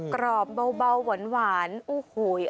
กรอบเบาหวานอู้หูย